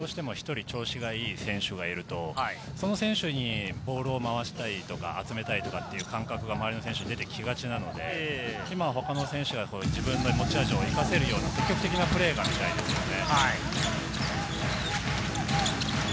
どうしても一人調子がいい選手がいると、その選手にボールを回したいとか、集めたいとかっていう感覚が出てきがちなので、今は他の選手が自分の持ち味を生かせるような積極的なプレーが見られますね。